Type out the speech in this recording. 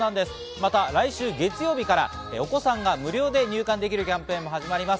まだ来週月曜日からお子さんが無料で入館できるキャンペーンも始まります。